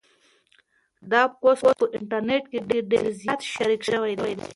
دا پوسټ په انټرنيټ کې ډېر زیات شریک شوی دی.